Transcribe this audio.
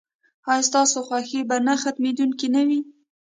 ایا ستاسو خوښي به نه ختمیدونکې نه وي؟